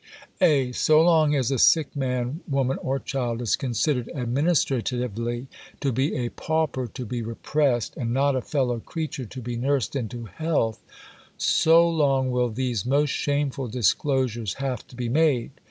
(A) So long as a sick man, woman, or child is considered administratively to be a pauper to be repressed, and not a fellow creature to be nursed into health, so long will these most shameful disclosures have to be made.